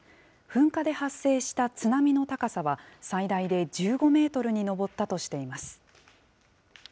噴火で発生した津波の高さは、最大で１５メートルに上ったとしています。